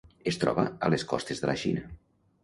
Es troba a les costes de la Xina.